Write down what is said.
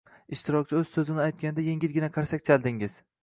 ishtirokchi o‘z so‘zini aytganida yengilgina qarsak chaldingiz